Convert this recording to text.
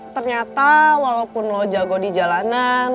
ternyata walaupun lo jago di jalanan